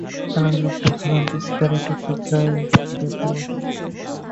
কারণ লোকটা জ্বলন্ত সিগারেটের টুকরা ছুঁড়ে ফেলবে।